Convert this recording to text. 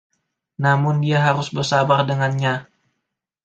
Namun, dia harus bersabar dengannya.